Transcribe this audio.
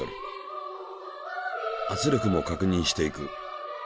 圧力も確認していく。